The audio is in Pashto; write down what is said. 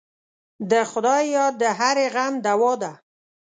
د خدای یاد د هرې غم دوا ده.